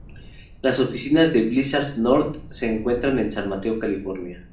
Las oficinas de Blizzard North se encuentran en San Mateo, California.